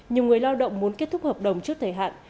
nhiều người lao động muốn kết thúc hợp đồng trước thời hạn